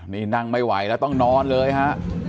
นี่นั่งไม่ไหวแล้วต้องนอนเลยฮะ